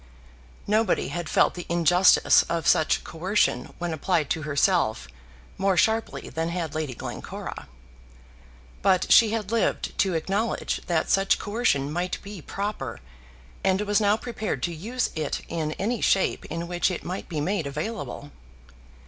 Nobody had felt the injustice of such coercion when applied to herself more sharply than had Lady Glencora. But she had lived to acknowledge that such coercion might be proper, and was now prepared to use it in any shape in which it might be made available.